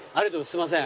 すいません。